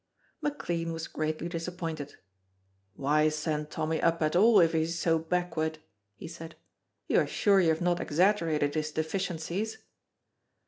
McLean was greatly disappointed. "Why send Tommy up at all if he is so backward?" he said. "You are sure you have not exaggerated his deficiencies?"